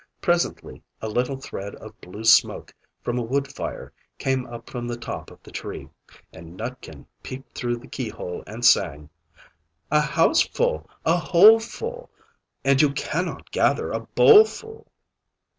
Presently a little thread of blue SMOKE from a wood fire came up from the top of the tree, and Nutkin peeped through the key hole and sang "A house full, a hole full! And you cannot gather a bowl full!"